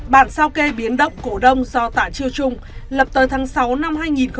bản sao kê biến động cổ đông do tạ chiêu trung lập tới tháng sáu năm hai nghìn một mươi